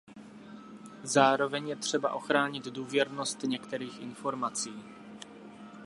Zároveň je třeba ochránit důvěrnost některých informací.